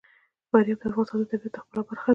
فاریاب د افغانستان د طبیعت د ښکلا برخه ده.